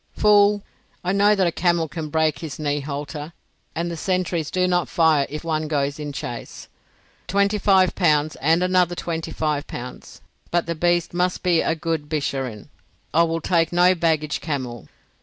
"Fool! I know that a camel can break his knee halter, and the sentries do not fire if one goes in chase. Twenty five pounds and another twenty five pounds. But the beast must be a good Bisharin; I will take no baggage camel."